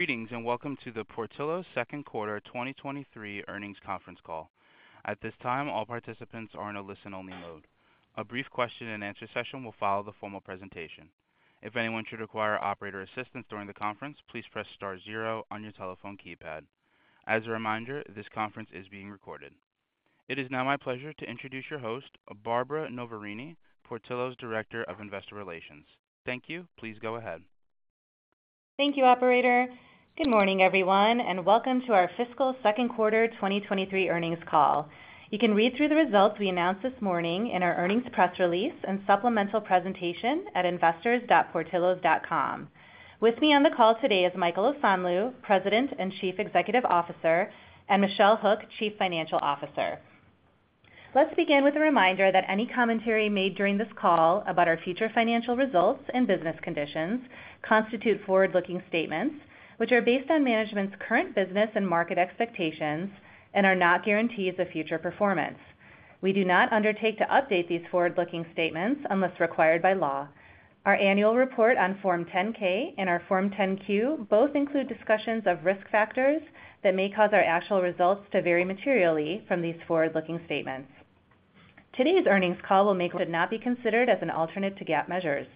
Greetings, and welcome to the Portillo's Second Quarter 2023 Earnings Conference Call. At this time, all participants are in a listen-only mode. A brief question and answer session will follow the formal presentation. If anyone should require operator assistance during the conference, please press star zero on your telephone keypad. As a reminder, this conference is being recorded. It is now my pleasure to introduce your host, Barbara Noverini, Portillo's Director of Investor Relations. Thank you. Please go ahead. Thank you, operator. Good morning, everyone, and welcome to our fiscal second quarter 2023 earnings call. You can read through the results we announced this morning in our earnings press release and supplemental presentation at investors.portillos.com. With me on the call today is Michael Osanloo, President and Chief Executive Officer, and Michelle Hook, Chief Financial Officer. Let's begin with a reminder that any commentary made during this call about our future financial results and business conditions constitute forward-looking statements, which are based on management's current business and market expectations and are not guarantees of future performance. We do not undertake to update these forward-looking statements unless required by law. Our annual report on Form 10-K and our Form 10-Q both include discussions of risk factors that may cause our actual results to vary materially from these forward-looking statements. Today's earnings call should not be considered as an alternate to GAAP measures.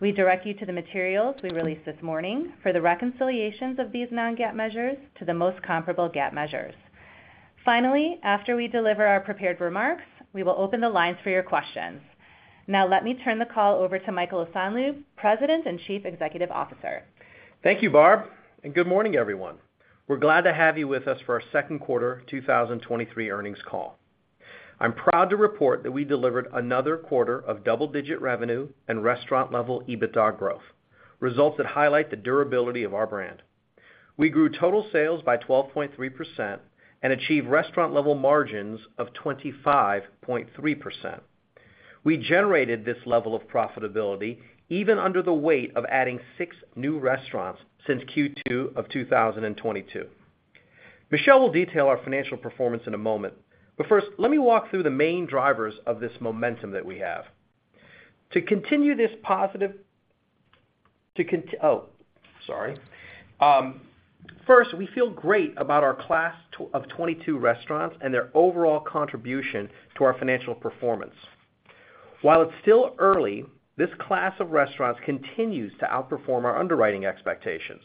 We direct you to the materials we released this morning for the reconciliations of these non-GAAP measures to the most comparable GAAP measures. After we deliver our prepared remarks, we will open the lines for your questions. Let me turn the call over to Michael Osanloo, President and Chief Executive Officer. Thank you, Barb, good morning, everyone. We're glad to have you with us for our second quarter 2023 earnings call. I'm proud to report that we delivered another quarter of double-digit revenue and restaurant-level EBITDA growth, results that highlight the durability of our brand. We grew total sales by 12.3% and achieved restaurant-level margins of 25.3%. We generated this level of profitability even under the weight of adding six new restaurants since Q2 of 2022. Michelle will detail our financial performance in a moment, first, let me walk through the main drivers of this momentum that we have. To continue this positive, Oh, sorry. First, we feel great about our class of 2022 restaurants and their overall contribution to our financial performance. While it's still early, this class of restaurants continues to outperform our underwriting expectations.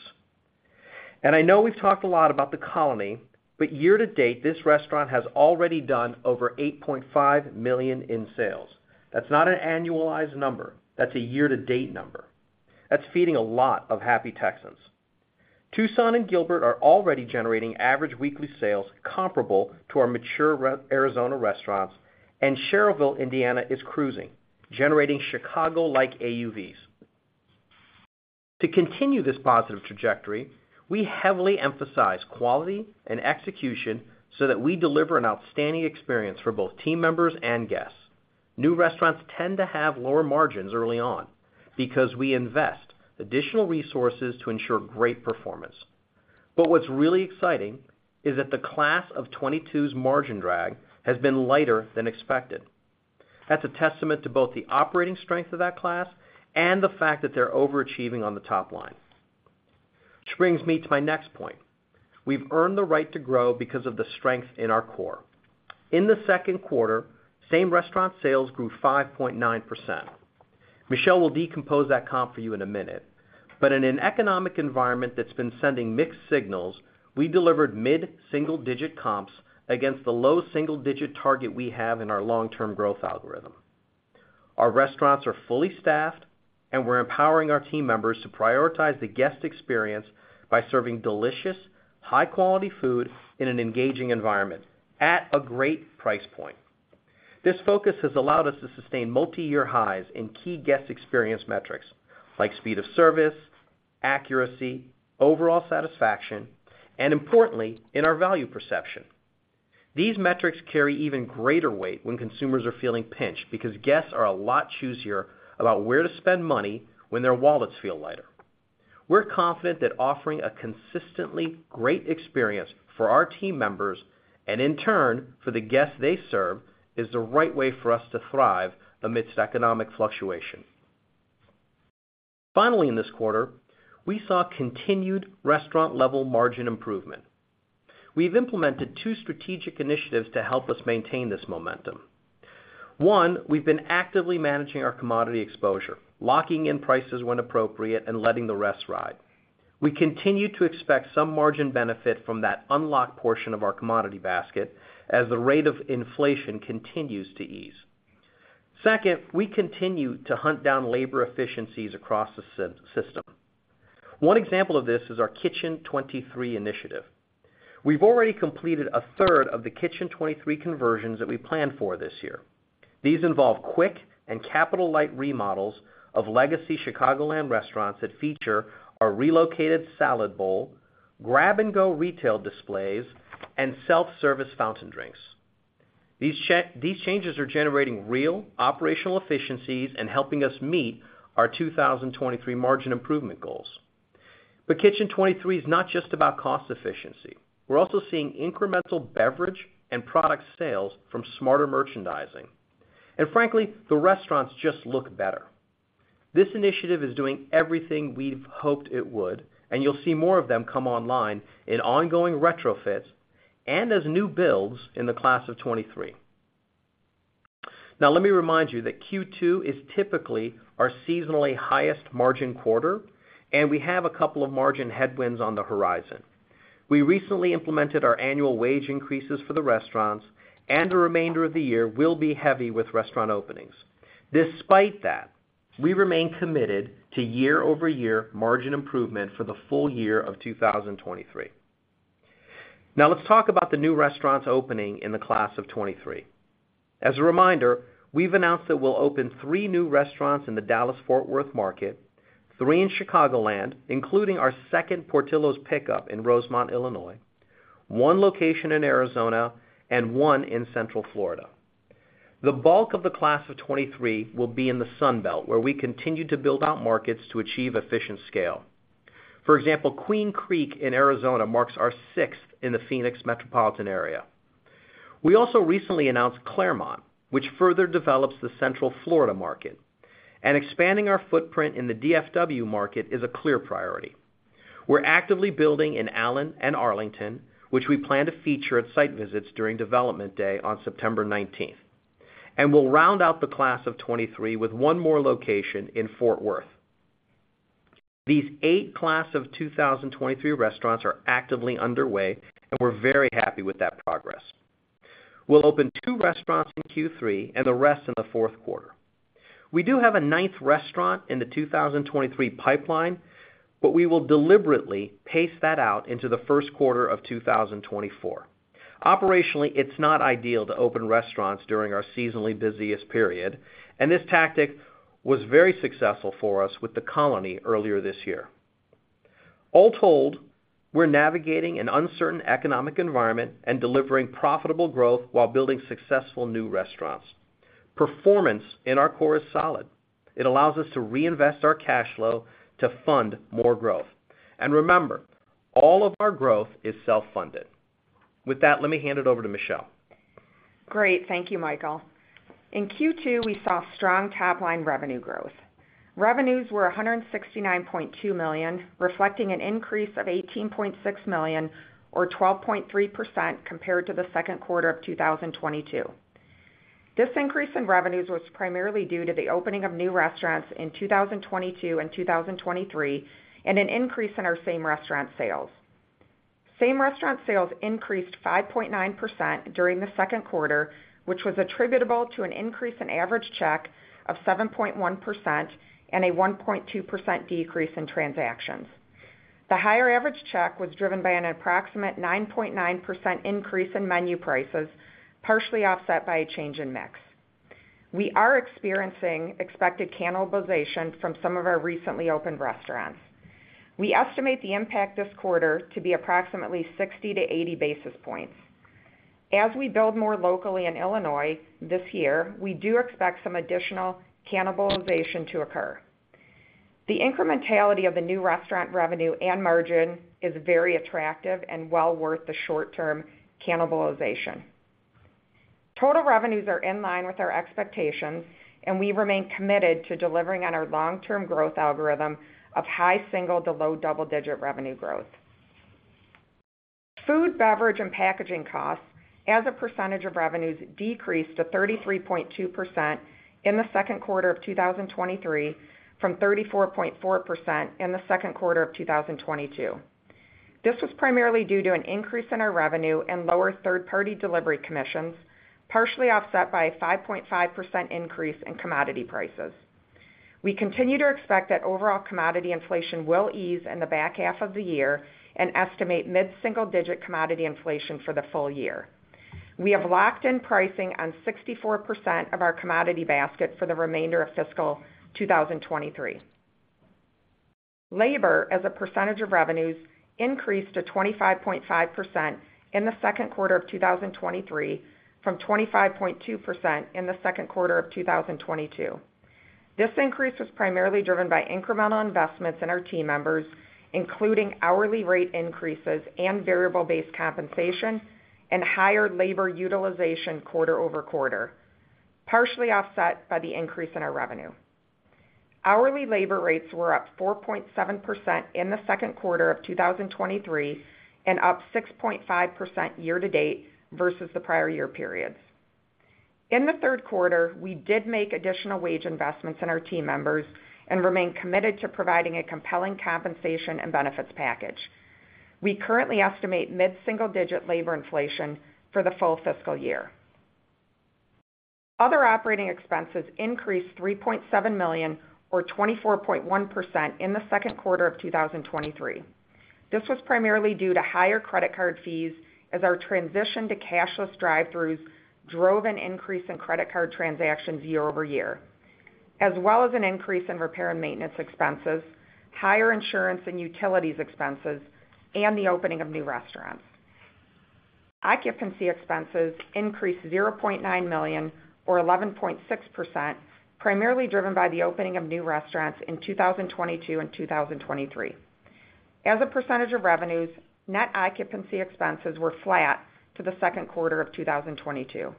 I know we've talked a lot about The Colony, but year-to-date, this restaurant has already done over $8.5 million in sales. That's not an annualized number. That's a year-to-date number. That's feeding a lot of happy Texans. Tucson and Gilbert are already generating average weekly sales comparable to our mature Arizona restaurants, and Schererville, Indiana, is cruising, generating Chicago-like AUVs. To continue this positive trajectory, we heavily emphasize quality and execution so that we deliver an outstanding experience for both team members and guests. New restaurants tend to have lower margins early on because we invest additional resources to ensure great performance. What's really exciting is that the class of 2022's margin drag has been lighter than expected. That's a testament to both the operating strength of that class and the fact that they're overachieving on the top line. Which brings me to my next point: We've earned the right to grow because of the strength in our core. In the second quarter, same restaurant sales grew 5.9%. Michelle will decompose that comp for you in a minute. In an economic environment that's been sending mixed signals, we delivered mid-single-digit comps against the low single-digit target we have in our long-term growth algorithm. Our restaurants are fully staffed, and we're empowering our team members to prioritize the guest experience by serving delicious, high-quality food in an engaging environment at a great price point. This focus has allowed us to sustain multiyear highs in key guest experience metrics, like speed of service, accuracy, overall satisfaction, and importantly, in our value perception. These metrics carry even greater weight when consumers are feeling pinched because guests are a lot choosier about where to spend money when their wallets feel lighter. We're confident that offering a consistently great experience for our team members, and in turn, for the guests they serve, is the right way for us to thrive amidst economic fluctuation. Finally, in this quarter, we saw continued restaurant-level margin improvement. We've implemented two strategic initiatives to help us maintain this momentum. One, we've been actively managing our commodity exposure, locking in prices when appropriate and letting the rest ride. We continue to expect some margin benefit from that unlocked portion of our commodity basket as the rate of inflation continues to ease. Second, we continue to hunt down labor efficiencies across the system. One example of this is our Kitchen 23 initiative. We've already completed a third of the Kitchen 23 conversions that we planned for this year. These involve quick and capital-light remodels of legacy Chicagoland restaurants that feature our relocated salad bowl, grab-and-go retail displays, and self-service fountain drinks. These changes are generating real operational efficiencies and helping us meet our 2023 margin improvement goals. Kitchen 23 is not just about cost efficiency. We're also seeing incremental beverage and product sales from smarter merchandising. Frankly, the restaurants just look better. This initiative is doing everything we've hoped it would, and you'll see more of them come online in ongoing retrofits and as new builds in the class of 2023. Let me remind you that Q2 is typically our seasonally highest margin quarter, and we have a couple of margin headwinds on the horizon. We recently implemented our annual wage increases for the restaurants, and the remainder of the year will be heavy with restaurant openings. Despite that, we remain committed to year-over-year margin improvement for the full year of 2023. Now, let's talk about the new restaurants opening in the class of 2023. As a reminder, we've announced that we'll open three new restaurants in the Dallas-Fort Worth market, three in Chicagoland, including our second Portillo's Pick Up in Rosemont, Illinois, one location in Arizona, and one in Central Florida. The bulk of the class of 2023 will be in the Sun Belt, where we continue to build out markets to achieve efficient scale. For example, Queen Creek in Arizona marks our sixth in the Phoenix metropolitan area. We also recently announced Clermont, which further develops the Central Florida market, and expanding our footprint in the DFW market is a clear priority. We're actively building in Allen and Arlington, which we plan to feature at site visits during Development Day on September 19th, and we'll round out the class of 2023 with one more location in Fort Worth. These eight class of 2023 restaurants are actively underway, and we're very happy with that progress. We'll open two restaurants in Q3 and the rest in the fourth quarter. We do have a ninth restaurant in the 2023 pipeline, but we will deliberately pace that out into the first quarter of 2024. Operationally, it's not ideal to open restaurants during our seasonally busiest period, and this tactic was very successful for us with The Colony earlier this year. All told, we're navigating an uncertain economic environment and delivering profitable growth while building successful new restaurants. Performance in our core is solid. It allows us to reinvest our cash flow to fund more growth. Remember, all of our growth is self-funded. With that, let me hand it over to Michelle. Great. Thank you, Michael. In Q2, we saw strong top-line revenue growth. Revenues were $169.2 million, reflecting an increase of $18.6 million, or 12.3%, compared to the second quarter of 2022. This increase in revenues was primarily due to the opening of new restaurants in 2022 and 2023, and an increase in our same restaurant sales. Same restaurant sales increased 5.9% during the second quarter, which was attributable to an increase in average check of 7.1% and a 1.2% decrease in transactions. The higher average check was driven by an approximate 9.9% increase in menu prices, partially offset by a change in mix. We are experiencing expected cannibalization from some of our recently opened restaurants. We estimate the impact this quarter to be approximately 60 basis points-80 basis points. As we build more locally in Illinois this year, we do expect some additional cannibalization to occur. The incrementality of the new restaurant revenue and margin is very attractive and well worth the short-term cannibalization. Total revenues are in line with our expectations, we remain committed to delivering on our long-term growth algorithm of high single to low double-digit revenue growth. Food, beverage, and packaging costs as a percentage of revenues decreased to 33.2% in the second quarter of 2023, from 34.4% in the second quarter of 2022. This was primarily due to an increase in our revenue and lower third-party delivery commissions, partially offset by a 5.5% increase in commodity prices. We continue to expect that overall commodity inflation will ease in the back half of the year and estimate mid-single-digit commodity inflation for the full year. We have locked in pricing on 64% of our commodity basket for the remainder of fiscal 2023. Labor, as a percent of revenues, increased to 25.5% in the second quarter of 2023, from 25.2% in the second quarter of 2022. This increase was primarily driven by incremental investments in our team members, including hourly rate increases and variable-based compensation and higher labor utilization quarter-over-quarter, partially offset by the increase in our revenue. Hourly labor rates were up 4.7% in the second quarter of 2023 and up 6.5% year-to-date versus the prior year periods. In the third quarter, we did make additional wage investments in our team members and remain committed to providing a compelling compensation and benefits package. We currently estimate mid-single-digit labor inflation for the full fiscal year. Other operating expenses increased $3.7 million, or 24.1%, in the second quarter of 2023. This was primarily due to higher credit card fees as our transition to cashless drive-throughs drove an increase in credit card transactions year-over-year, as well as an increase in repair and maintenance expenses, higher insurance and utilities expenses, and the opening of new restaurants. Occupancy expenses increased $0.9 million, or 11.6%, primarily driven by the opening of new restaurants in 2022 and 2023. As a percentage of revenues, net occupancy expenses were flat to the second quarter of 2022.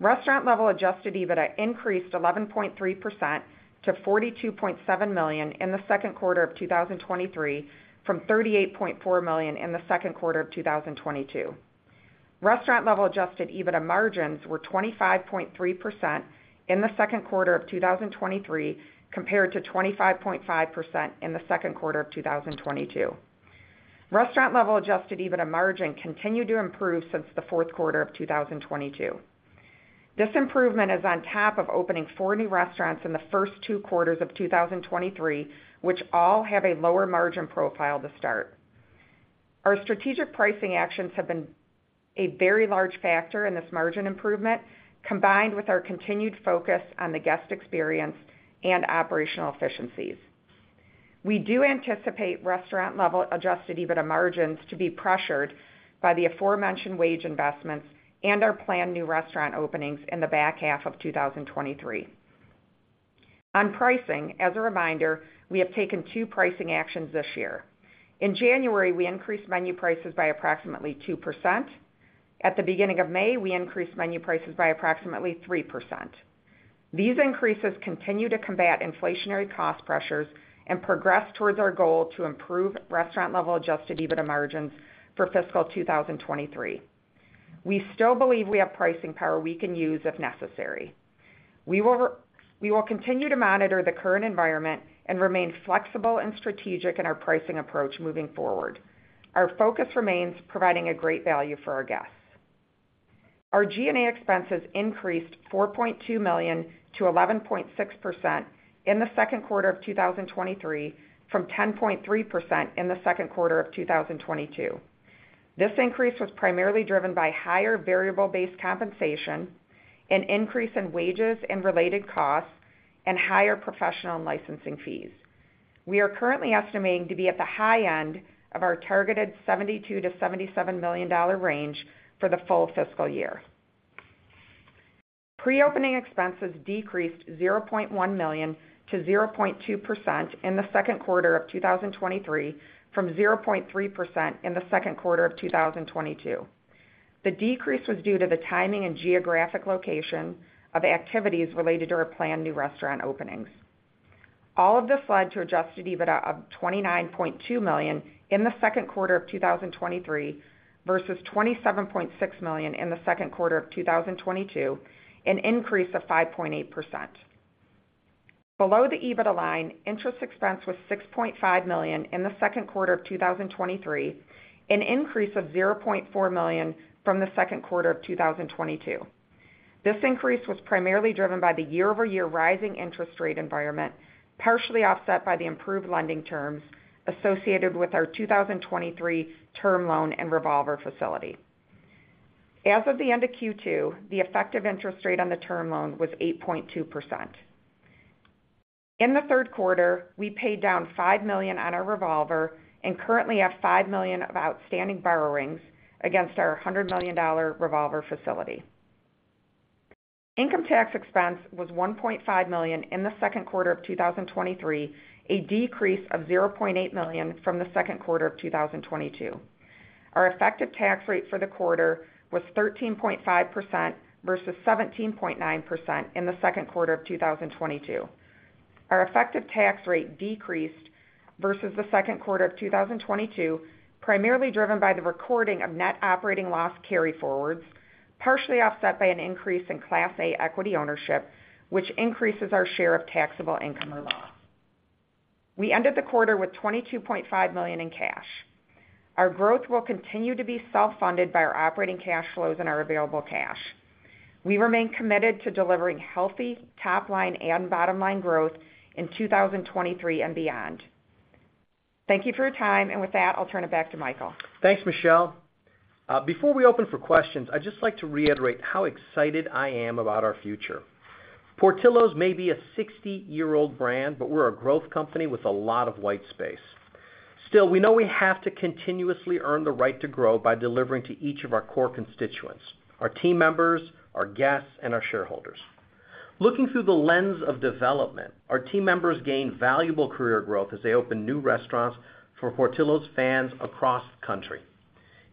Restaurant level adjusted EBITDA increased 11.3% to $42.7 million in the second quarter of 2023, from $38.4 million in the second quarter of 2022. Restaurant level adjusted EBITDA margins were 25.3% in the second quarter of 2023, compared to 25.5% in the second quarter of 2022. Restaurant level adjusted EBITDA margin continued to improve since the fourth quarter of 2022. This improvement is on top of opening four new restaurants in the first two quarters of 2023, which all have a lower margin profile to start. Our strategic pricing actions have been a very large factor in this margin improvement, combined with our continued focus on the guest experience and operational efficiencies. We do anticipate restaurant level adjusted EBITDA margins to be pressured by the aforementioned wage investments and our planned new restaurant openings in the back half of 2023. On pricing, as a reminder, we have taken two pricing actions this year. In January, we increased menu prices by approximately 2%. At the beginning of May, we increased menu prices by approximately 3%. These increases continue to combat inflationary cost pressures and progress towards our goal to improve restaurant level adjusted EBITDA margins for fiscal 2023. We still believe we have pricing power we can use if necessary. We will continue to monitor the current environment and remain flexible and strategic in our pricing approach moving forward. Our focus remains providing a great value for our guests. Our G&A expenses increased $4.2 million to 11.6% in the second quarter of 2023, from 10.3% in the second quarter of 2022. This increase was primarily driven by higher variable-based compensation, an increase in wages and related costs, and higher professional and licensing fees. We are currently estimating to be at the high end of our targeted $72 million-$77 million range for the full fiscal year. Pre-opening expenses decreased $0.1 million to 0.2% in the second quarter of 2023, from 0.3% in the second quarter of 2022. The decrease was due to the timing and geographic location of activities related to our planned new restaurant openings. All of this led to adjusted EBITDA of $29.2 million in the second quarter of 2023 versus $27.6 million in the second quarter of 2022, an increase of 5.8%. Below the EBITDA line, interest expense was $6.5 million in the second quarter of 2023, an increase of $0.4 million from the second quarter of 2022. This increase was primarily driven by the year-over-year rising interest rate environment, partially offset by the improved lending terms associated with our 2023 term loan and revolver facility. As of the end of Q2, the effective interest rate on the term loan was 8.2%. In the third quarter, we paid down $5 million on our revolver and currently have $5 million of outstanding borrowings against our $100 million revolver facility. Income tax expense was $1.5 million in the second quarter of 2023, a decrease of $0.8 million from the second quarter of 2022. Our effective tax rate for the quarter was 13.5% versus 17.9% in the second quarter of 2022. Our effective tax rate decreased versus the second quarter of 2022, primarily driven by the recording of net operating loss carryforwards, partially offset by an increase in Class A equity ownership, which increases our share of taxable income or loss. We ended the quarter with $22.5 million in cash. Our growth will continue to be self-funded by our operating cash flows and our available cash. We remain committed to delivering healthy top line and bottom line growth in 2023 and beyond. Thank you for your time. With that, I'll turn it back to Michael. Thanks, Michelle. Before we open for questions, I'd just like to reiterate how excited I am about our future. Portillo's may be a 60-year-old brand, but we're a growth company with a lot of white space. Still, we know we have to continuously earn the right to grow by delivering to each of our core constituents, our team members, our guests, and our shareholders. Looking through the lens of development, our team members gain valuable career growth as they open new restaurants for Portillo's fans across the country.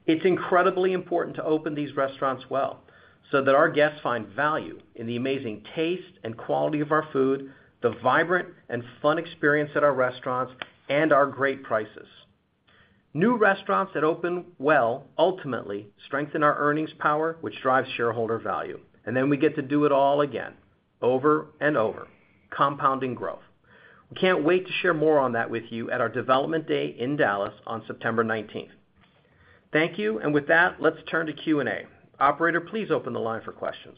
It's incredibly important to open these restaurants well, so that our guests find value in the amazing taste and quality of our food, the vibrant and fun experience at our restaurants, and our great prices. New restaurants that open well ultimately strengthen our earnings power, which drives shareholder value, and then we get to do it all again, over and over, compounding growth. We can't wait to share more on that with you at our Development Day in Dallas on September 19th. Thank you, and with that, let's turn to Q&A. Operator, please open the line for questions.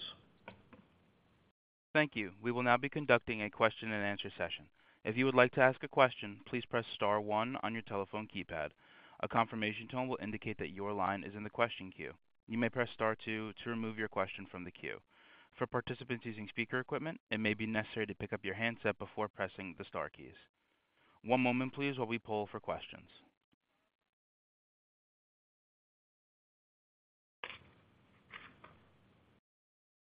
Thank you. We will now be conducting a question-and-answer session. If you would like to ask a question, please press star one on your telephone keypad. A confirmation tone will indicate that your line is in the question queue. You may press star two to remove your question from the queue. For participants using speaker equipment, it may be necessary to pick up your handset before pressing the star keys. One moment please, while we poll for questions.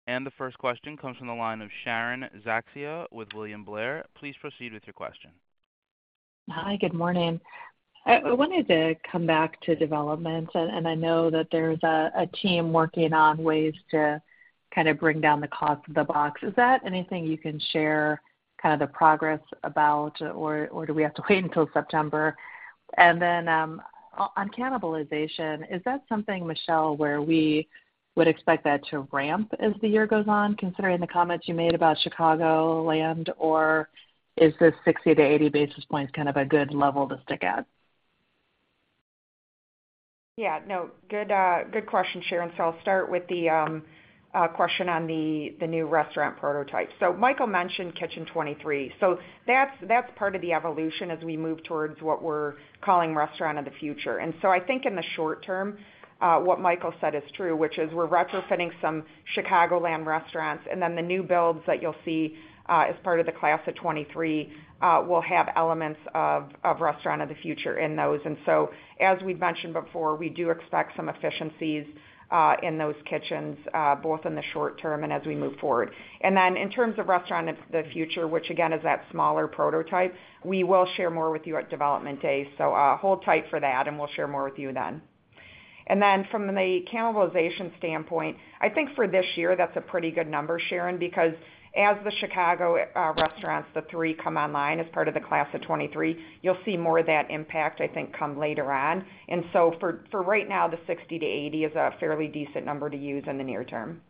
The first question comes from the line of Sharon Zackfia with William Blair. Please proceed with your question. Hi, good morning. I wanted to come back to development, and I know that there's a team working on ways to kind of bring down the cost of the box. Is that anything you can share, kind of the progress about, or do we have to wait until September? Then, on cannibalization, is that something, Michelle, where we would expect that to ramp as the year goes on, considering the comments you made about Chicagoland? Is this 60 basis points to 80 basis points kind of a good level to stick at? Good question, Sharon. I'll start with the question on the new restaurant prototype. Michael mentioned Kitchen 23. That's part of the evolution as we move towards what we're calling Restaurant of the Future. I think in the short term, what Michael said is true, which is we're retrofitting some Chicagoland restaurants, and then the new builds that you'll see as part of the class of 2023 will have elements of Restaurant of the Future in those. As we've mentioned before, we do expect some efficiencies in those kitchens both in the short term and as we move forward. Then in terms of Restaurant of the Future, which again, is that smaller prototype, we will share more with you at Development Day. Hold tight for that, and we'll share more with you then. From the cannibalization standpoint, I think for this year, that's a pretty good number, Sharon, because as the Chicago restaurants, the three come online as part of the class of 2023, you'll see more of that impact, I think, come later on. For right now, the 60-80 is a fairly decent number to use in the near term.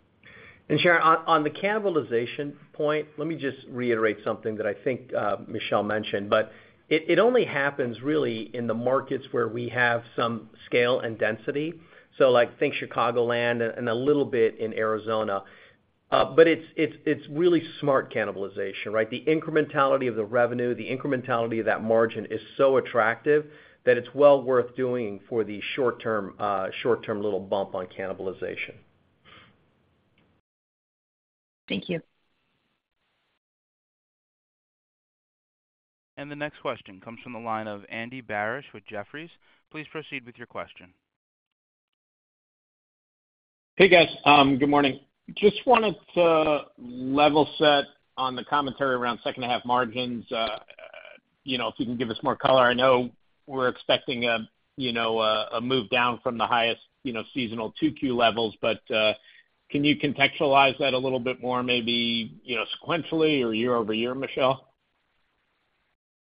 Sharon, on the cannibalization point, let me just reiterate something that I think, Michelle mentioned, but it only happens really in the markets where we have some scale and density. like, think Chicagoland and a little bit in Arizona. It's really smart cannibalization, right? The incrementality of the revenue, the incrementality of that margin is so attractive that it's well worth doing for the short term little bump on cannibalization. Thank you. The next question comes from the line of Andy Barish with Jefferies. Please proceed with your question. Hey, guys, good morning. Just wanted to level set on the commentary around second half margins. You know, if you can give us more color. I know we're expecting, you know, a move down from the highest, you know, seasonal 2Q levels, but, can you contextualize that a little bit more, maybe, you know, sequentially or year-over-year, Michelle?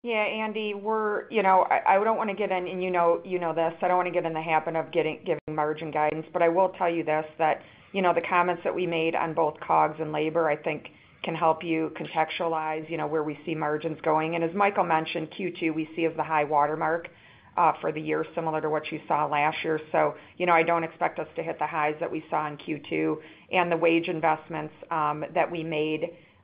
Yeah, Andy, we're, you know, I don't want to get in, you know, you know this. I don't want to get in the habit of giving margin guidance, I will tell you this, that, you know, the comments that we made on both COGS and labor, I think, can help you contextualize, you know, where we see margins going. As Michael mentioned, Q2, we see as the high watermark for the year, similar to what you saw last year. You know, I don't expect us to hit the highs that we saw in Q2, the wage investments that we made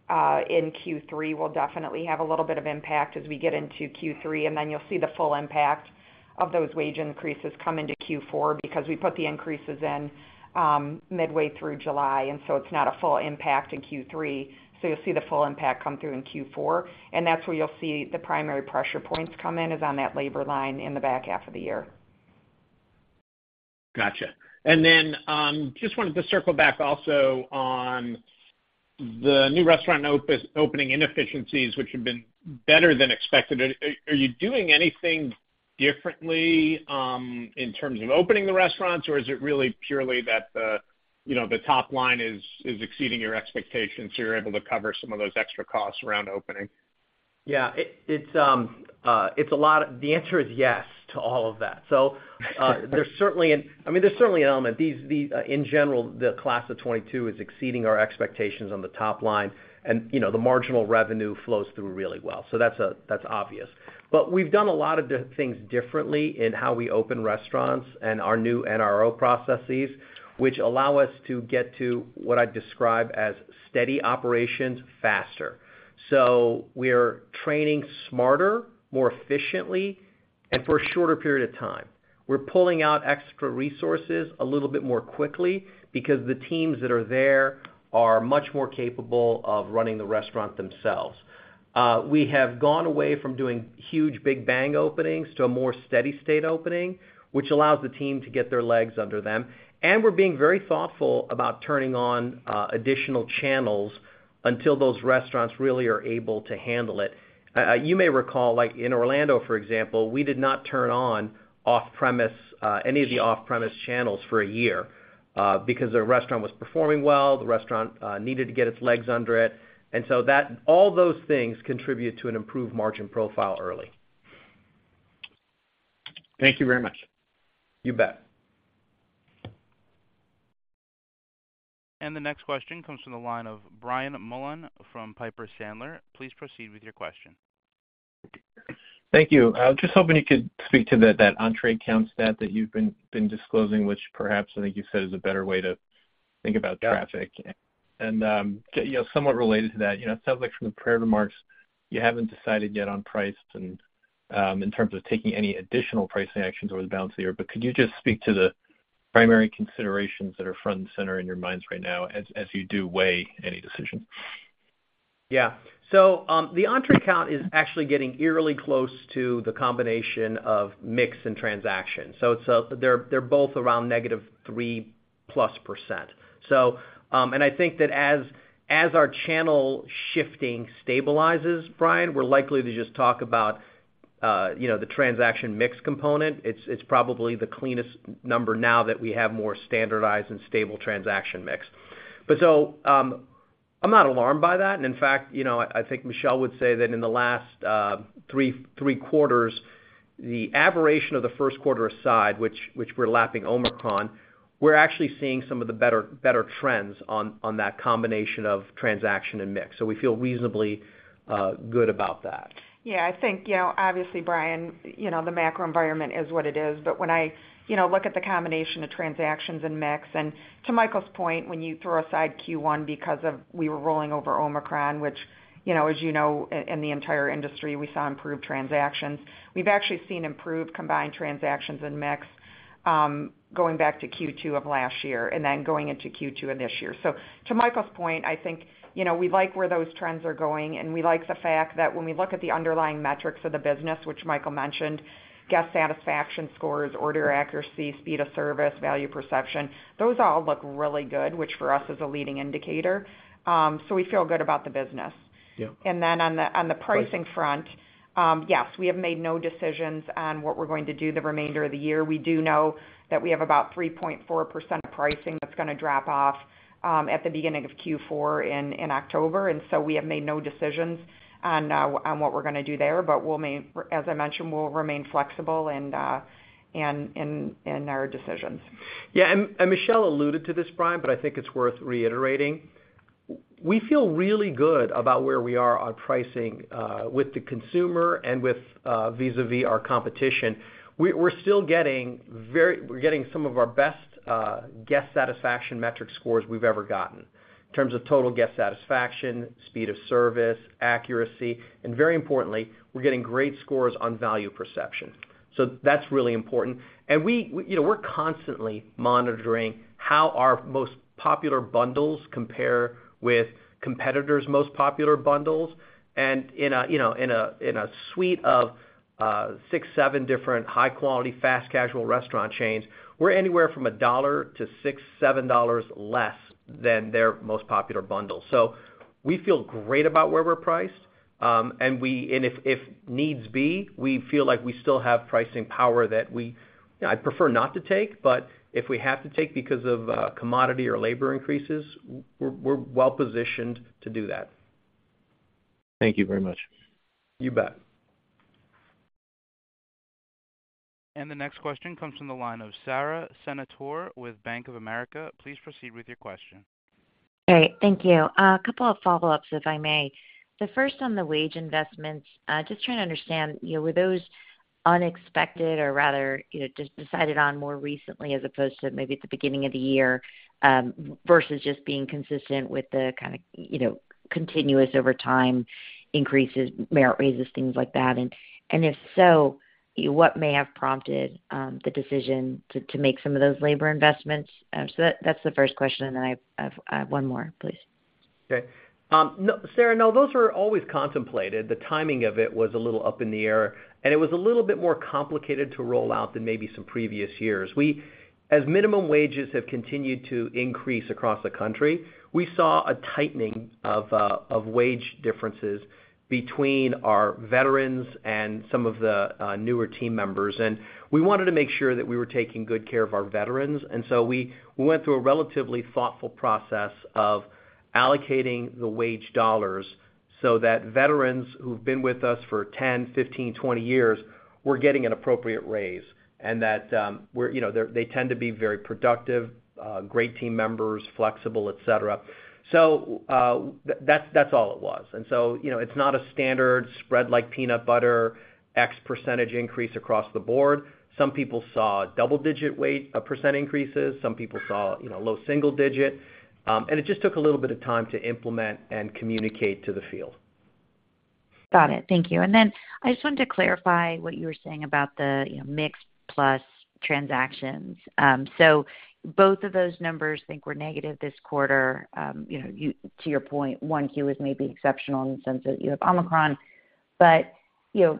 in Q3 will definitely have a little bit of impact as we get into Q3. Then you'll see the full impact of those wage increases come into Q4 because we put the increases in midway through July, so it's not a full impact in Q3. You'll see the full impact come through in Q4, and that's where you'll see the primary pressure points come in, is on that labor line in the back half of the year. Gotcha. Then, just wanted to circle back also on the new restaurant opening inefficiencies, which have been better than expected. Are you doing anything differently in terms of opening the restaurants, or is it really purely that, you know, the top line is, is exceeding your expectations, so you're able to cover some of those extra costs around opening? Yeah, it's a lot. The answer is yes to all of that. There's certainly I mean, there's certainly an element. In general, the class of 2022 is exceeding our expectations on the top line, and, you know, the marginal revenue flows through really well. That's obvious. We've done a lot of things differently in how we open restaurants and our new NRO processes, which allow us to get to what I'd describe as steady operations faster. We're training smarter, more efficiently, and for a shorter period of time. We're pulling out extra resources a little bit more quickly because the teams that are there are much more capable of running the restaurant themselves. We have gone away from doing huge, big bang openings to a more steady state opening, which allows the team to get their legs under them. We're being very thoughtful about turning on additional channels until those restaurants really are able to handle it. You may recall, like in Orlando, for example, we did not turn on off-premise, any of the off-premise channels for a year, because the restaurant was performing well, the restaurant needed to get its legs under it. All those things contribute to an improved margin profile early. Thank you very much. You bet. The next question comes from the line of Brian Mullan from Piper Sandler. Please proceed with your question. Thank you. I was just hoping you could speak to that entree count stat that you've been disclosing, which perhaps I think you said is a better way to think about traffic. And, you know, somewhat related to that, you know, it sounds like from the prepared remarks, you haven't decided yet on price and, in terms of taking any additional pricing actions over the balance of the year. Could you just speak to the primary considerations that are front and center in your minds right now as, as you do weigh any decision? Yeah. The entree count is actually getting eerily close to the combination of mix and transaction. They're both around negative 3+%. I think that as our channel shifting stabilizes, Brian, we're likely to just talk about, you know, the transaction mix component. It's probably the cleanest number now that we have more standardized and stable transaction mix. I'm not alarmed by that. In fact, you know, I think Michelle would say that in the last three quarters, the aberration of the first quarter aside, which we're lapping Omicron, we're actually seeing some of the better trends on that combination of transaction and mix. We feel reasonably good about that. Yeah, I think, you know, obviously, Brian, you know, the macro environment is what it is. When I, you know, look at the combination of transactions and mix, and to Michael's point, when you throw aside Q1 because of we were rolling over Omicron, which, as you know, in the entire industry, we saw improved transactions. We've actually seen improved combined transactions in mix, going back to Q2 of last year and then going into Q2 of this year. To Michael's point, I think, you know, we like where those trends are going, and we like the fact that when we look at the underlying metrics of the business, which Michael mentioned, guest satisfaction scores, order accuracy, speed of service, value perception, those all look really good, which for us, is a leading indicator. We feel good about the business. Yeah. On the pricing front, yes, we have made no decisions on what we're going to do the remainder of the year. We do know that we have about 3.4% pricing that's gonna drop off at the beginning of Q4 in October. We have made no decisions on what we're gonna do there, but as I mentioned, we'll remain flexible in our decisions. Yeah, Michelle alluded to this, Brian, but I think it's worth reiterating. We feel really good about where we are on pricing with the consumer and with vis-à-vis our competition. We're still getting some of our best guest satisfaction metric scores we've ever gotten in terms of total guest satisfaction, speed of service, accuracy, and very importantly, we're getting great scores on value perception. That's really important. You know, we're constantly monitoring how our most popular bundles compare with competitors' most popular bundles. In a, you know, suite of six, seven different high-quality, fast casual restaurant chains, we're anywhere from $1 to $6, $7 less than their most popular bundle. We feel great about where we're priced, and if needs be, we feel like we still have pricing power that we, I'd prefer not to take, but if we have to take because of commodity or labor increases, we're well positioned to do that. Thank you very much. You bet. The next question comes from the line of Sara Senatore with Bank of America. Please proceed with your question. Great, thank you. A couple of follow-ups, if I may. The first on the wage investments, just trying to understand, you know, were those unexpected or rather, you know, just decided on more recently as opposed to maybe at the beginning of the year, versus just being consistent with the kind of, you know, continuous over time increases, merit raises, things like that? And if so, what may have prompted the decision to make some of those labor investments? So that's the first question, and then I have one more, please. Okay. No, Sara, no, those were always contemplated. The timing of it was a little up in the air, and it was a little bit more complicated to roll out than maybe some previous years. As minimum wages have continued to increase across the country, we saw a tightening of wage differences between our veterans and some of the newer team members, and we wanted to make sure that we were taking good care of our veterans. So we went through a relatively thoughtful process of allocating the wage dollars so that veterans who've been with us for 10, 15, 20 years, were getting an appropriate raise, and that, you know, they tend to be very productive, great team members, flexible, et cetera. That's all it was. You know, it's not a standard spread like peanut butter, x% increase across the board. Some people saw double-digit wage percent increases, some people saw, you know, low single digit, and it just took a little bit of time to implement and communicate to the field. Got it. Thank you. Then I just wanted to clarify what you were saying about the, you know, mix plus transactions. Both of those numbers, I think, were negative this quarter. You know, to your point, 1Q was maybe exceptional in the sense that you have Omicron, but, you know,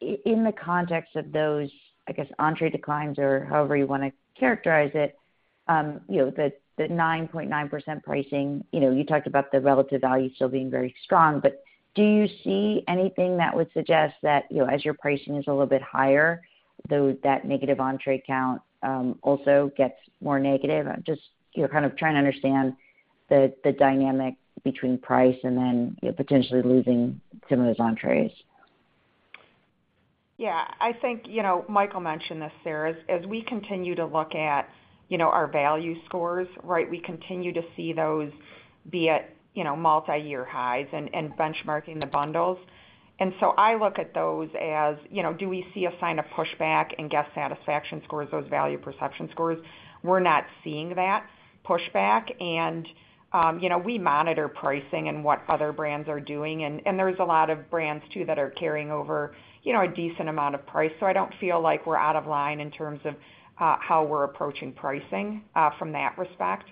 in the context of those, I guess, entree declines or however you want to characterize it, you know, the 9.9% pricing, you know, you talked about the relative value still being very strong, but do you see anything that would suggest that, you know, as your pricing is a little bit higher, though, that negative entree count also gets more negative? I'm just, you know, kind of trying to understand the, the dynamic between price and then, you know, potentially losing some of those entrees. Yeah, I think, you know, Michael mentioned this, Sara, as we continue to look at, you know, our value scores, right? We continue to see those be at, you know, multi-year highs and benchmarking the bundles. I look at those as, you know, do we see a sign of pushback and guest satisfaction scores, those value perception scores? We're not seeing that pushback. You know, we monitor pricing and what other brands are doing, and, and there's a lot of brands, too, that are carrying over, you know, a decent amount of price. I don't feel like we're out of line in terms of how we're approaching pricing from that respect.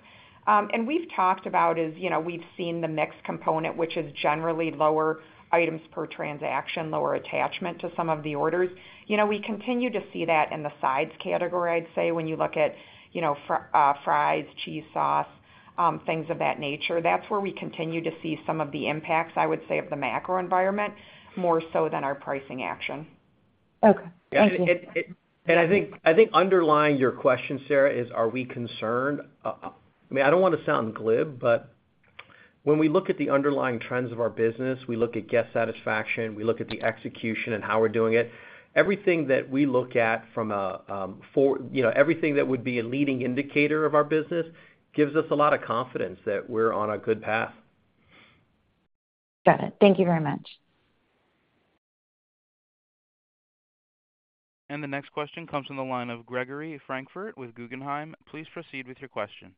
We've talked about is, you know, we've seen the mix component, which is generally lower items per transaction, lower attachment to some of the orders. You know, we continue to see that in the sides category, I'd say, when you look at, you know, fries, cheese sauce, things of that nature. That's where we continue to see some of the impacts, I would say, of the macro environment, more so than our pricing action. Okay. Thank you. I think underlying your question, Sara, is, are we concerned? I mean, I don't want to sound glib. When we look at the underlying trends of our business, we look at guest satisfaction, we look at the execution and how we're doing it. Everything that we look at, you know, everything that would be a leading indicator of our business gives us a lot of confidence that we're on a good path. Got it. Thank you very much. The next question comes from the line of Gregory Francfort with Guggenheim. Please proceed with your question.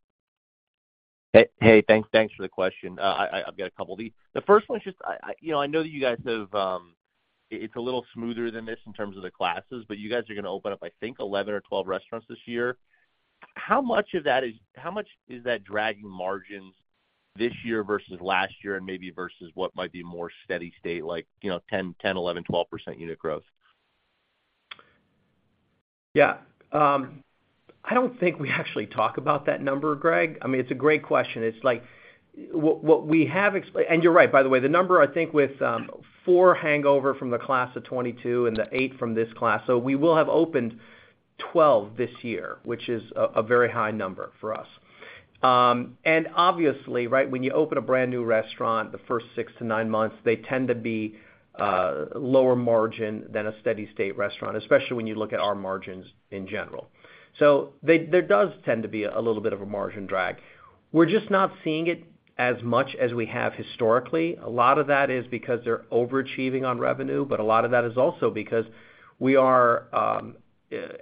Hey, thanks. Thanks for the question. I've got a couple. The first one is just, you know, I know that you guys have, it's a little smoother than this in terms of the classes, but you guys are gonna open up, I think, 11 or 12 restaurants this year. How much is that dragging margins this year versus last year, and maybe versus what might be more steady state, like, you know, 10%, 11%, 12% unit growth? Yeah. I don't think we actually talk about that number, Greg. I mean, it's a great question. It's like, what we have, you're right, by the way, the number, I think with four hangover from the class of 2022 and the eight from this class. We will have opened 12 this year, which is a very high number for us. Obviously, right, when you open a brand-new restaurant, the first six to nine months, they tend to be lower margin than a steady state restaurant, especially when you look at our margins in general. There does tend to be a little bit of a margin drag. We're just not seeing it as much as we have historically. A lot of that is because they're overachieving on revenue, but a lot of that is also because we are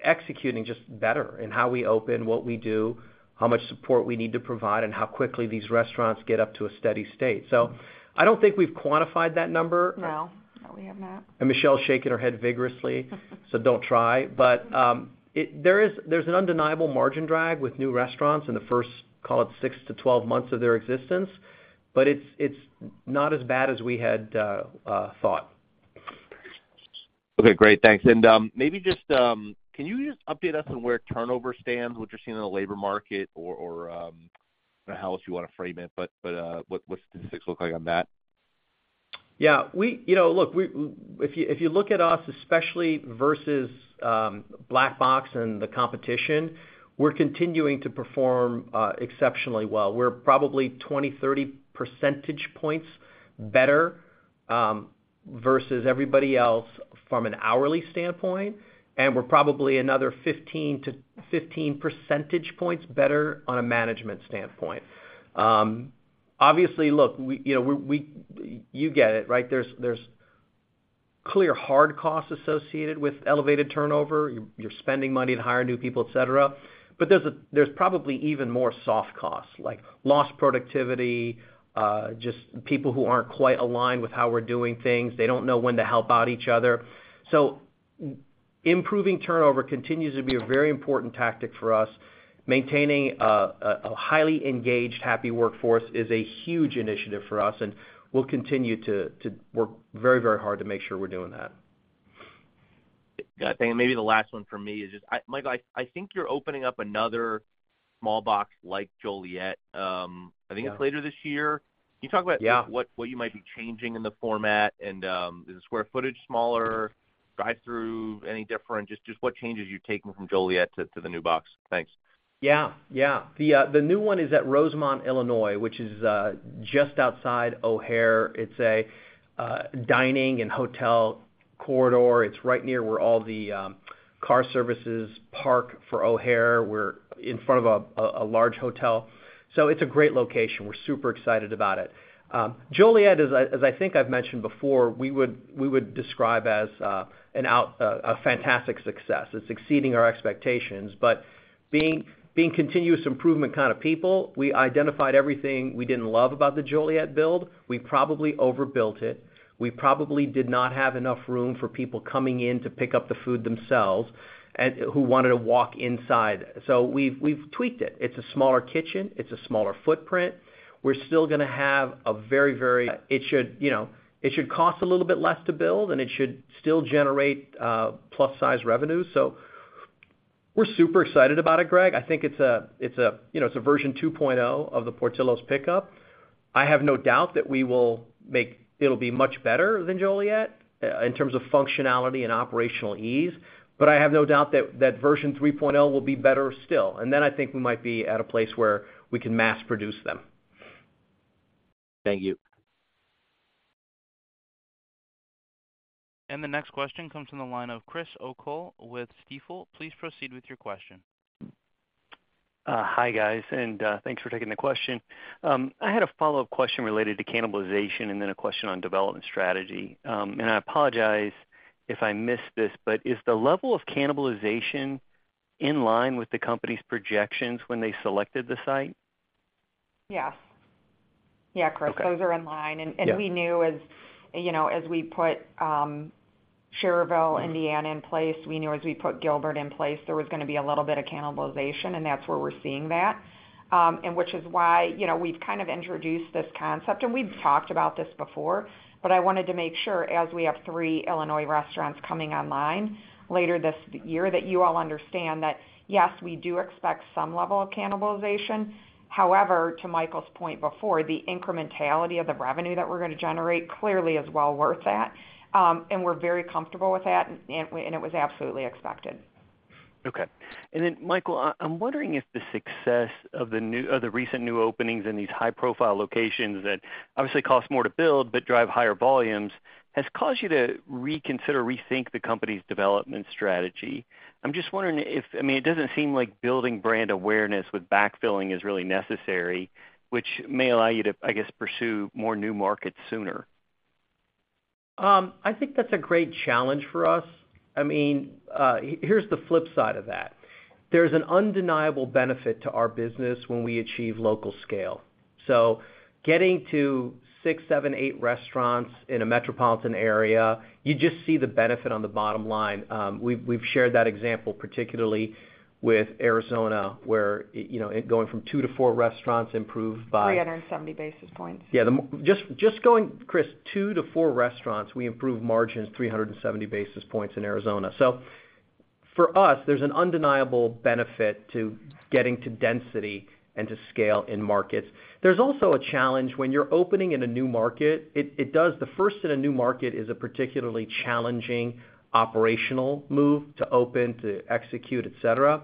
executing just better in how we open, what we do, how much support we need to provide, and how quickly these restaurants get up to a steady state. I don't think we've quantified that number. No, no, we have not. Michelle's shaking her head vigorously, so don't try. There is, there's an undeniable margin drag with new restaurants in the first, call it, six to 12 months of their existence, but it's not as bad as we had thought. Okay, great. Thanks. Maybe just, can you just update us on where turnover stands, what you're seeing in the labor market or how else you want to frame it, but what's the statistics look like on that? Yeah, you know, look, if you look at us, especially versus Black Box and the competition, we're continuing to perform exceptionally well. We're probably 20, 30 percentage points better versus everybody else from an hourly standpoint, and we're probably another 15 percentage points better on a management standpoint. Obviously, look, you know, we, you get it, right? There's clear hard costs associated with elevated turnover. You're, you're spending money to hire new people, et cetera. There's probably even more soft costs, like lost productivity, just people who aren't quite aligned with how we're doing things. They don't know when to help out each other. So improving turnover continues to be a very important tactic for us. Maintaining a highly engaged, happy workforce is a huge initiative for us. We'll continue to work very, very hard to make sure we're doing that. Got it. Maybe the last one for me. Michael, I think you're opening up another small box like Joliet, I think later this year. Can you talk about what you might be changing in the format and, is the square footage smaller, drive-thru any different? Just, just what changes you're taking from Joliet to the new box? Thanks. Yeah, yeah. The new one is at Rosemont, Illinois, which is just outside O'Hare. It's a dining and hotel corridor. It's right near where all the car services park for O'Hare, we're in front of a large hotel. It's a great location. We're super excited about it. Joliet, as I think I've mentioned before, we would, we would describe as a fantastic success. It's exceeding our expectations, but being continuous improvement kind of people, we identified everything we didn't love about the Joliet build. We probably overbuilt it. We probably did not have enough room for people coming in to pick up the food themselves and who wanted to walk inside, so we've tweaked it. It's a smaller kitchen, it's a smaller footprint. We're still gonna have a very, very, you know, it should cost a little bit less to build, and it should still generate plus-size revenues. We're super excited about it, Greg. I think it's a, you know, version 2.0 of the Portillo's Pick Up. I have no doubt that it'll be much better than Joliet in terms of functionality and operational ease, but I have no doubt that, that version 3.0 will be better still. Then I think we might be at a place where we can mass produce them. Thank you. The next question comes from the line of Chris O'Cull with Stifel. Please proceed with your question. Hi, guys, and thanks for taking the question. I had a follow-up question related to cannibalization and then a question on development strategy. I apologize if I missed this, but is the level of cannibalization in line with the company's projections when they selected the site? Yes. Yeah, Chris, those are in line. We knew as, you know, as we put Schererville, Indiana, in place, we knew as we put Gilbert in place, there was going to be a little bit of cannibalization, and that's where we're seeing that. Which is why, you know, we've kind of introduced this concept, and we've talked about this before, but I wanted to make sure, as we have three Illinois restaurants coming online later this year, that you all understand that, yes, we do expect some level of cannibalization. However, to Michael's point before, the incrementality of the revenue that we're going to generate clearly is well worth that. We're very comfortable with that, and it was absolutely expected. Okay. Then, Michael, I'm wondering if the success of the recent new openings in these high-profile locations that obviously cost more to build but drive higher volumes, has caused you to reconsider, rethink the company's development strategy. I'm just wondering if, I mean, it doesn't seem like building brand awareness with backfilling is really necessary, which may allow you to, I guess, pursue more new markets sooner. I think that's a great challenge for us. I mean, here's the flip side of that. There's an undeniable benefit to our business when we achieve local scale. Getting to six, seven, eight restaurants in a metropolitan area, you just see the benefit on the bottom line. We've shared that example, particularly with Arizona, where, you know, it going from two to four restaurants improved by- 370 basis points. Yeah, just, just going, Chris, two to four restaurants, we improved margins 370 basis points in Arizona. For us, there's an undeniable benefit to getting to density and to scale in markets. There's also a challenge when you're opening in a new market, the first in a new market is a particularly challenging operational move to open, to execute, et cetera.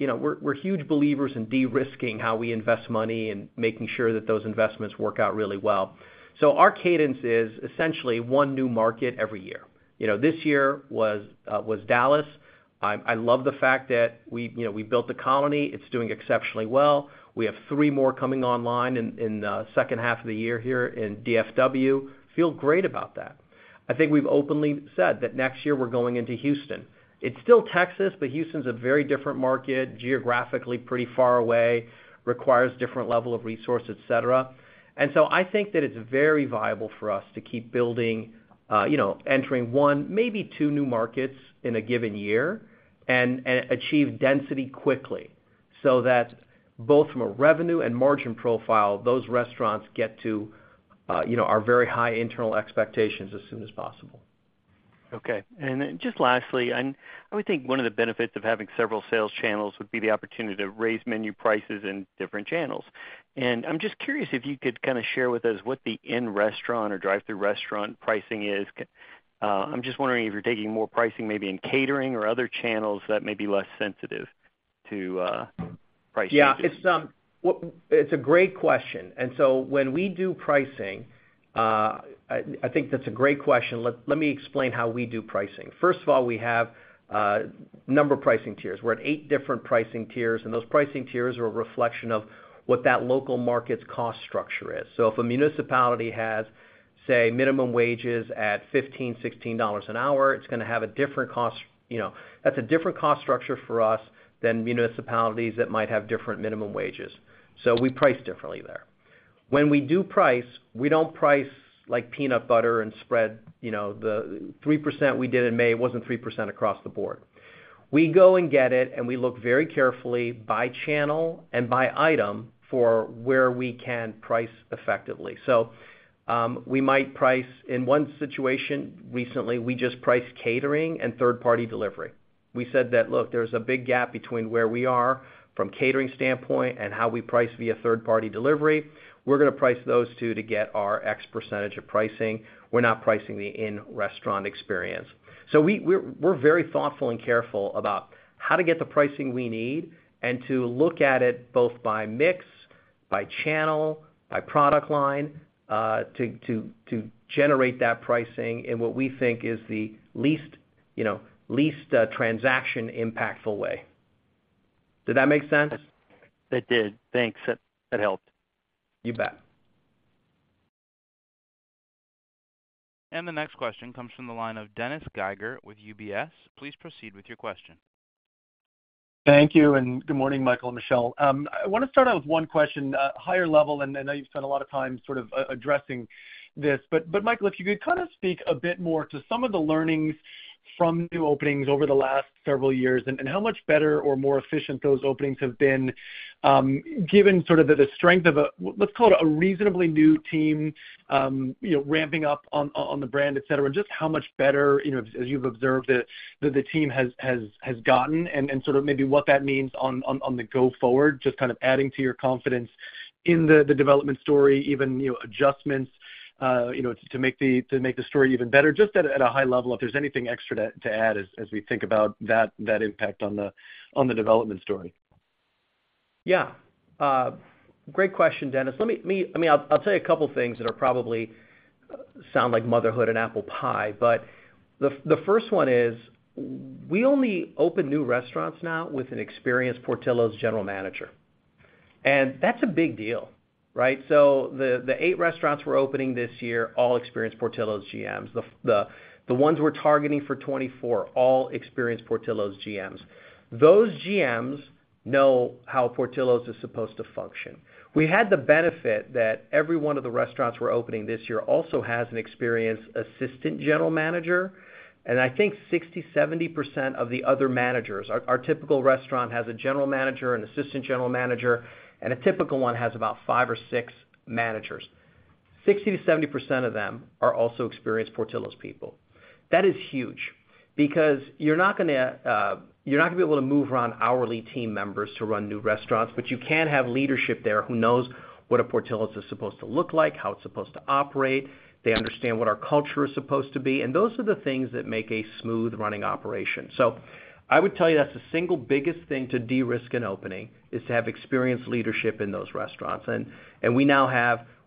You know, we're huge believers in de-risking how we invest money and making sure that those investments work out really well. Our cadence is essentially one new market every year. You know, this year was, was Dallas. I love the fact that we, you know, built The Colony. It's doing exceptionally well. We have three more coming online in the second half of the year here in DFW. Feel great about that. I think we've openly said that next year we're going into Houston. It's still Texas, but Houston's a very different market, geographically pretty far away, requires different level of resource, et cetera. So I think that it's very viable for us to keep building, you know, entering one, maybe two new markets in a given year and, and achieve density quickly, so that both from a revenue and margin profile, those restaurants get to, you know, our very high internal expectations as soon as possible. Okay. Then just lastly, I would think one of the benefits of having several sales channels would be the opportunity to raise menu prices in different channels. I'm just curious if you could kind of share with us what the in-restaurant or drive-thru restaurant pricing is. I'm just wondering if you're taking more pricing, maybe in catering or other channels that may be less sensitive to price changes. Yeah, well, it's a great question. So when we do pricing, I think that's a great question. Let me explain how we do pricing. First of all, we have a number of pricing tiers. We're at eight different pricing tiers, and those pricing tiers are a reflection of what that local market's cost structure is. If a municipality has, say, minimum wages at $15, $16 an hour, it's going to have a different cost. You know, that's a different cost structure for us than municipalities that might have different minimum wages. We price differently there. When we do price, we don't price like peanut butter and spread, you know, the 3% we did in May wasn't 3% across the board. We go and get it. We look very carefully by channel and by item for where we can price effectively. We might price in one situation recently, we just priced catering and third-party delivery. We said that, look, there's a big gap between where we are from a catering standpoint and how we price via third-party delivery. We're going to price those two to get our X percentage of pricing. We're not pricing the in-restaurant experience. We're very thoughtful and careful about how to get the pricing we need and to look at it both by mix, by channel, by product line, to generate that pricing in what we think is the least, you know, least transaction impactful way. Did that make sense? It did. Thanks. That helped. You bet. The next question comes from the line of Dennis Geiger with UBS. Please proceed with your question. Thank you. Good morning, Michael and Michelle. I want to start out with one question, higher level, and I know you've spent a lot of time sort of addressing this. Michael, if you could kind of speak a bit more to some of the learnings from new openings over the last several years, and how much better or more efficient those openings have been, given sort of the strength of, let's call it, a reasonably new team, you know, ramping up on, on the brand, et cetera. Just how much better, you know, as, as you've observed the team has gotten and sort of maybe what that means on the go-forward, just kind of adding to your confidence in the development story, even, you know, adjustments, you know, to make the story even better. Just at a high level, if there's anything extra to add as we think about that impact on the development story? Yeah. Great question, Dennis. Let me, I mean, I'll tell you a couple of things that are probably sound like motherhood and apple pie, but the first one is, we only open new restaurants now with an experienced Portillo's general manager. That's a big deal, right? The eight restaurants we're opening this year all experienced Portillo's GMs. The ones we're targeting for 2024, all experienced Portillo's GMs. Those GMs know how Portillo's is supposed to function. We had the benefit that every one of the restaurants we're opening this year also has an experienced assistant general manager, and I think 60%, 70% of the other managers. Our typical restaurant has a general manager, an assistant general manager, and a typical one has about five or six managers, 60%-70% of them are also experienced Portillo's people. That is huge, because you're not gonna be able to move around hourly team members to run new restaurants, but you can have leadership there who knows what a Portillo's is supposed to look like, how it's supposed to operate. They understand what our culture is supposed to be, and those are the things that make a smooth-running operation. I would tell you, that's the single biggest thing to de-risk an opening, is to have experienced leadership in those restaurants.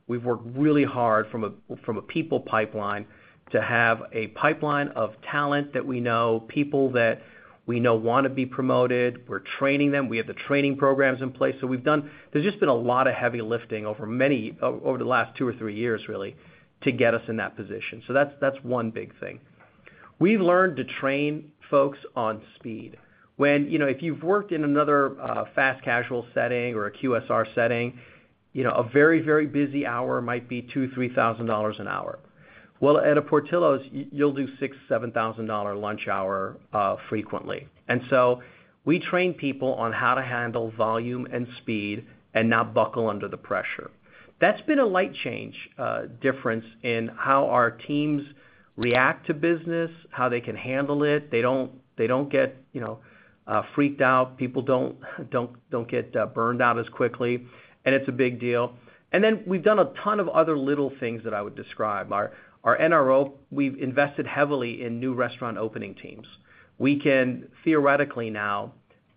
We've worked really hard from a people pipeline, to have a pipeline of talent that we know, people that we know wanna be promoted. We're training them. We have the training programs in place. We've done there's just been a lot of heavy lifting over many, over the last two or three years, really, to get us in that position. That's one big thing. We've learned to train folks on speed. When, you know, if you've worked in another, fast casual setting or a QSR setting, you know, a very, very busy hour might be $2,000-$3,000 an hour. Well, at a Portillo's, you'll do $6,000-$7,000 lunch hour frequently. We train people on how to handle volume and speed and not buckle under the pressure. That's been a light change, difference in how our teams react to business, how they can handle it. They don't get, you know, freaked out. People don't get burned out as quickly, it's a big deal. We've done a ton of other little things that I would describe. Our NRO, we've invested heavily in new restaurant opening teams. We can theoretically now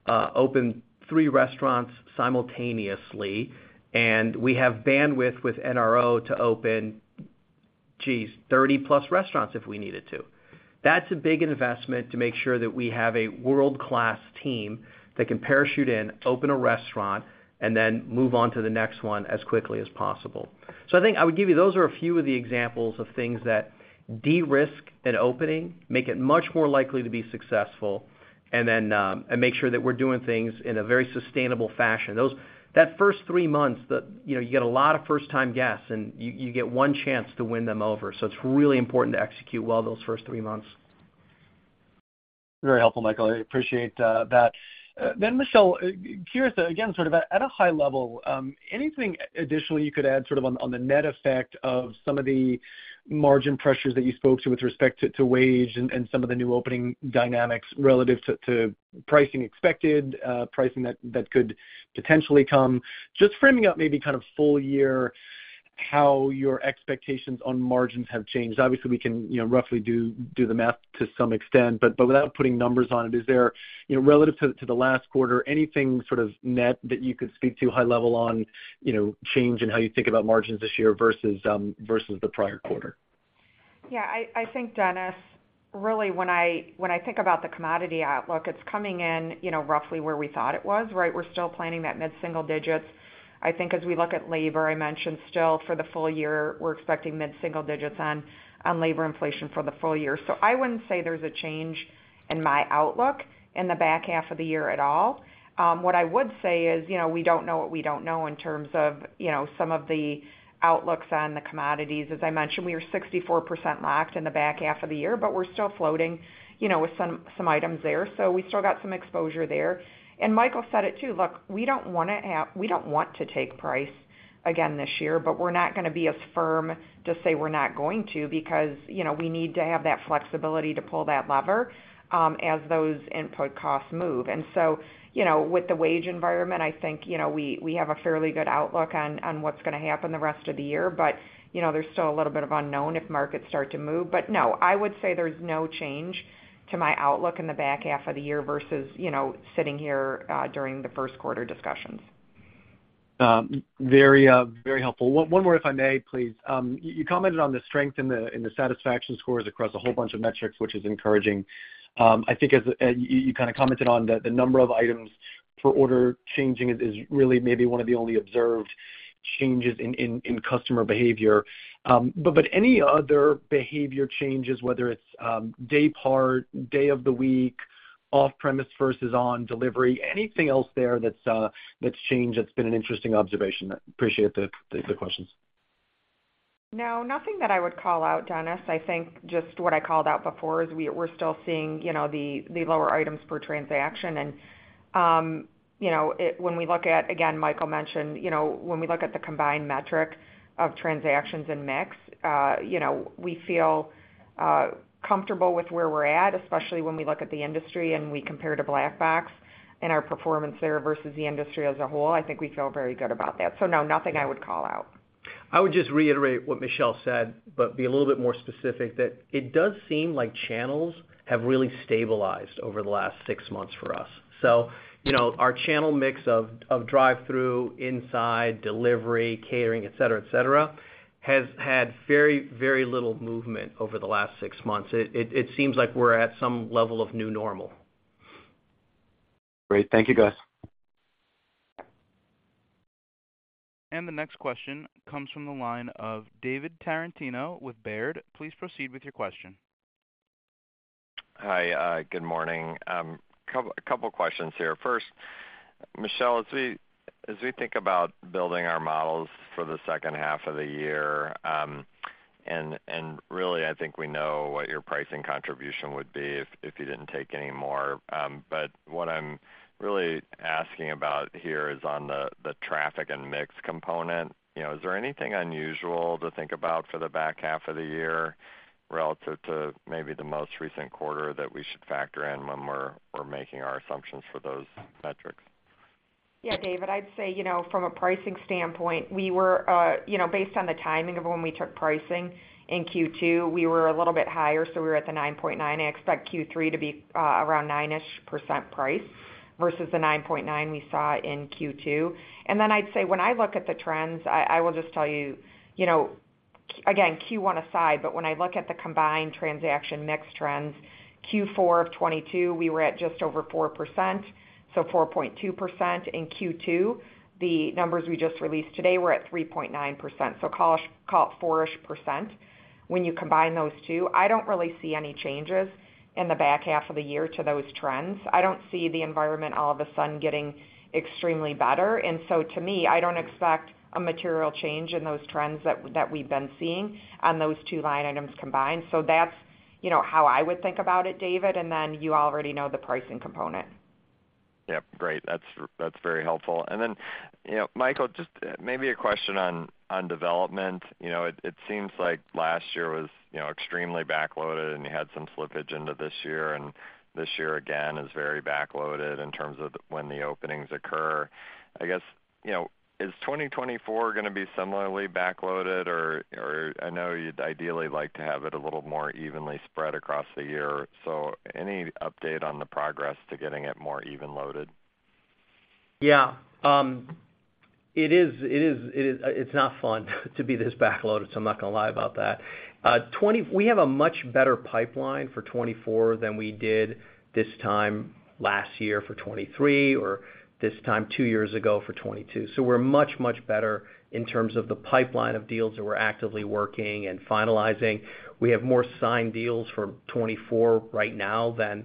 open three restaurants simultaneously, and we have bandwidth with NRO to open, geez, 30-plus restaurants if we needed to. That's a big investment to make sure that we have a world-class team that can parachute in, open a restaurant, and then move on to the next one as quickly as possible. Those are a few of the examples of things that de-risk an opening, make it much more likely to be successful, and then make sure that we're doing things in a very sustainable fashion. That first three months, you know, you get a lot of first-time guests, and you get one chance to win them over, so it's really important to execute well those first three months. Very helpful, Michael. I appreciate that. Michelle, curious again, sort of at a high level, anything additionally you could add, sort of, on the net effect of some of the margin pressures that you spoke to with respect to wage and, and some of the new opening dynamics relative to pricing expected, pricing that could potentially come? Just framing up maybe kind of full year, how your expectations on margins have changed. Obviously, we can, you know, roughly do, do the math to some extent, but without putting numbers on it, is there, you know, relative to, to the last quarter, anything sort of net that you could speak to high level on, you know, change in how you think about margins this year versus the prior quarter? Yeah, I, I think, Dennis, really, when I, when I think about the commodity outlook, it's coming in, you know, roughly where we thought it was, right? We're still planning that mid-single digits. I think as we look at labor, I mentioned still for the full year, we're expecting mid-single digits on labor inflation for the full year. I wouldn't say there's a change in my outlook in the back half of the year at all. What I would say is, you know, we don't know in terms of, you know, some of the outlooks on the commodities. As I mentioned, we are 64% locked in the back half of the year, we're still floating, you know, with some items there. We still got some exposure there. Michael said it, too. Look, we don't want to take price again this year. We're not gonna be as firm to say we're not going to, because, you know, we need to have that flexibility to pull that lever as those input costs move. So, you know, with the wage environment, I think, you know, we have a fairly good outlook on what's gonna happen the rest of the year. You know, there's still a little bit of unknown if markets start to move. No, I would say there's no change to my outlook in the back half of the year versus, you know, sitting here during the first quarter discussions. Very, very helpful. One more, if I may, please. You commented on the strength in the satisfaction scores across a whole bunch of metrics, which is encouraging. I think as you kind of commented on the number of items per order changing is, is really maybe one of the only observed changes in customer behavior. But any other behavior changes, whether it's, day part, day of the week, off-premise versus on, delivery, anything else there that's changed, that's been an interesting observation? Appreciate the questions. No, nothing that I would call out, Dennis. I think just what I called out before is we're still seeing, you know, the lower items per transaction. You know, when we look at, again, Michael mentioned, you know, when we look at the combined metric of transactions and mix, you know, we feel comfortable with where we're at, especially when we look at the industry and we compare to Black Box and our performance there versus the industry as a whole. I think we feel very good about that. No, nothing I would call out. I would just reiterate what Michelle said, but be a little bit more specific, that it does seem like channels have really stabilized over the last six months for us. You know, our channel mix of, of drive-thru, inside, delivery, catering, et cetera, et cetera, has had very, very little movement over the last six months. It seems like we're at some level of new normal. Great. Thank you, guys. The next question comes from the line of David Tarantino with Baird. Please proceed with your question. Hi, good morning. Couple, couple questions here. First, Michelle, as we think about building our models for the second half of the year, and, and really, I think we know what your pricing contribution would be if you didn't take any more. What I'm really asking about here is on the traffic and mix component. You know, is there anything unusual to think about for the back half of the year relative to maybe the most recent quarter that we should factor in when we're making our assumptions for those metrics? Yeah, David, I'd say, you know, from a pricing standpoint, you know, based on the timing of when we took pricing in Q2, we were a little bit higher, so we were at the 9.9. I expect Q3 to be around 9% price versus the 9.9 we saw in Q2. Then I'd say, when I look at the trends, I will just tell you, you know, again, Q1 aside, but when I look at the combined transaction mix trends, Q4 of 2022, we were at just over 4%, so 4.2%. In Q2, the numbers we just released today were at 3.9%. Call it, call it 4% when you combine those two. I don't really see any changes in the back half of the year to those trends. I don't see the environment all of a sudden getting extremely better. To me, I don't expect a material change in those trends that we've been seeing on those two line items combined. That's, you know, how I would think about it, David, then you already know the pricing component. Yep, great. That's, that's very helpful. Then, you know, Michael, just maybe a question on development. You know, it seems like last year was, you know, extremely backloaded, and you had some slippage into this year, and this year, again, is very backloaded in terms of when the openings occur. I guess, you know, is 2024 gonna be similarly backloaded? I know you'd ideally like to have it a little more evenly spread across the year. Any update on the progress to getting it more even loaded? Yeah. It's not fun to be this backloaded, I'm not gonna lie about that. We have a much better pipeline for 2024 than we did this time last year for 2023 or this time two years ago for 2022. We're much, much better in terms of the pipeline of deals that we're actively working and finalizing. We have more signed deals for 2024 right now than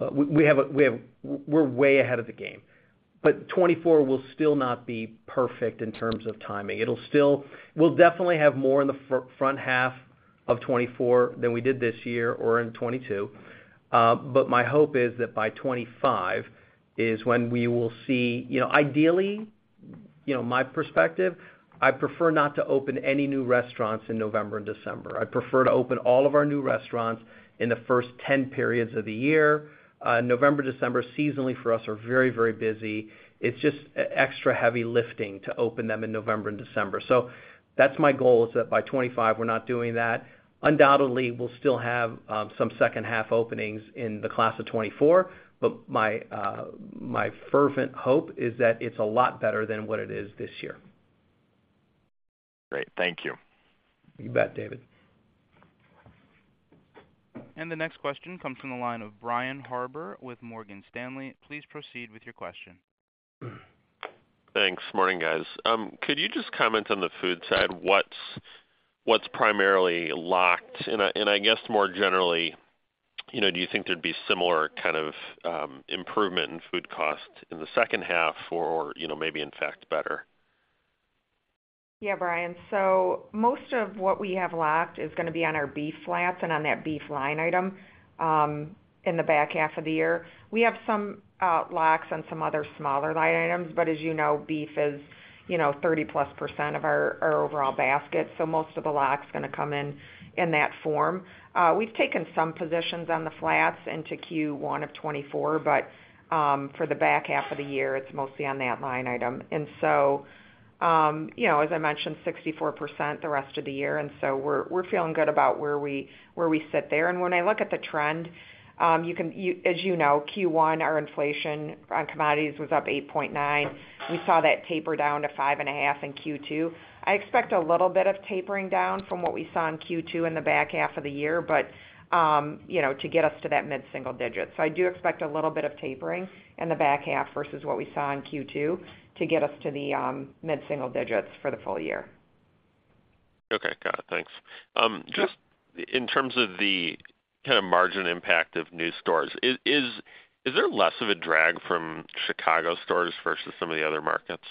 we're way ahead of the game, but 2024 will still not be perfect in terms of timing. Still, we'll definitely have more in the front half of 2024 than we did this year or in 2022. My hope is that by 2025, is when we will see, you know, ideally, you know, my perspective, I'd prefer not to open any new restaurants in November and December. I'd prefer to open all of our new restaurants in the first 10 periods of the year. November, December, seasonally for us, are very, very busy. It's just extra heavy lifting to open them in November and December. So that's my goal, is that by 25, we're not doing that. Undoubtedly, we'll still have some second half openings in the class of 24, but my fervent hope is that it's a lot better than what it is this year. Great. Thank you. You bet, David. The next question comes from the line of Brian Harbour with Morgan Stanley. Please proceed with your question. Thanks. Morning, guys. Could you just comment on the food side, what's primarily locked? I, and I guess more generally, you know, do you think there'd be similar kind of, improvement in food costs in the second half or, you know, maybe in fact, better? Yeah, Brian. Most of what we have locked is gonna be on our beef flats and on that beef line item in the back half of the year. We have some locks on some other smaller line items, but as you know, beef is, you know, 30+% of our overall basket, so most of the lock's gonna come in in that form. We've taken some positions on the flats into Q1 of 2024, but for the back half of the year, it's mostly on that line item. You know, as I mentioned, 64% the rest of the year, and so we're feeling good about where we sit there. When I look at the trend, as you know, Q1, our inflation on commodities was up 8.9. We saw that taper down to 5.5 in Q2. I expect a little bit of tapering down from what we saw in Q2 in the back half of the year, but, you know, to get us to that mid-single digit. I do expect a little bit of tapering in the back half versus what we saw in Q2 to get us to the mid-single digits for the full year. Okay. Got it. Thanks. Yeah. In terms of the kind of margin impact of new stores, is there less of a drag from Chicago stores versus some of the other markets?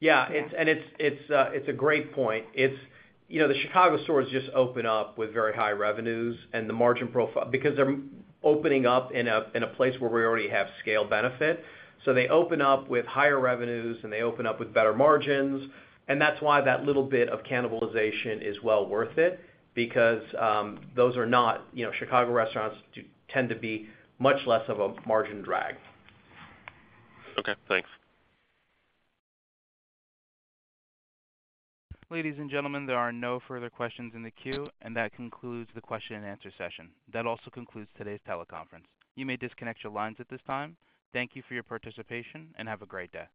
Yeah, it's, it's a great point. You know, the Chicago stores just open up with very high revenues and the margin profile, because they're opening up in a place where we already have scale benefit. They open up with higher revenues, and they open up with better margins, and that's why that little bit of cannibalization is well worth it, because, you know, Chicago restaurants tend to be much less of a margin drag. Okay, thanks. Ladies and gentlemen, there are no further questions in the queue, and that concludes the question and answer session. That also concludes today's teleconference. You may disconnect your lines at this time. Thank you for your participation, and have a great day.